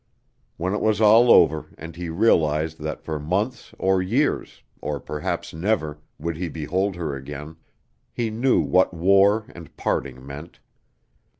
When it was all over, and he realized that for months or years, or perhaps never, would he behold her again, he knew what war and parting meant.